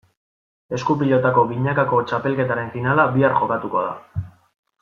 Esku-pilotako binakako txapelketaren finala bihar jokatuko da.